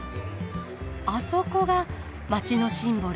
あそこが街のシンボル